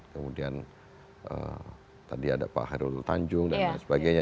kemudian tadi ada pak herul tanjung dan sebagainya